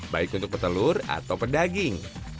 baik untuk petelur atau pedaging